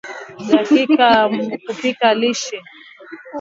dakika thelathini na tano hadi arobaini na tano zinatosha kupika viazi lishe